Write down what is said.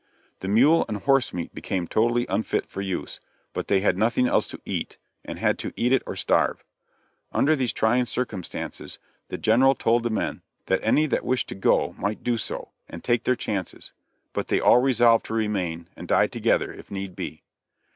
The mule and horse meat became totally unfit for use, but they had nothing else to eat, and had to eat it or starve. Under these trying circumstances the General told the men that any who wished to go might do so, and take their chances; but they all resolved to remain, and die together, if need be.